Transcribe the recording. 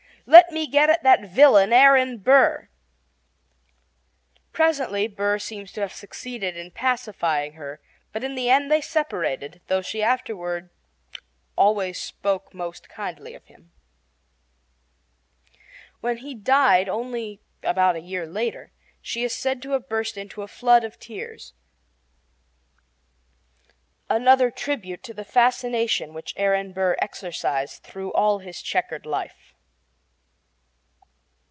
"Let me get at that villain Aaron Burr!" Presently Burr seems to have succeeded in pacifying her; but in the end they separated, though she afterward always spoke most kindly of him. When he died, only about a year later, she is said to have burst into a flood of tears another tribute to the fascination which Aaron Burr exercised through all his checkered life.